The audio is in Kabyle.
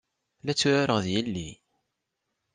La tturareɣ ed yelli.